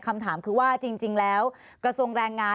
คำถามคือว่าจริงแล้วกระทรวงแรงงาน